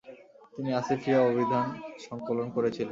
তিনি আসিফিয়া অভিধান সংকলন করেছিলেন।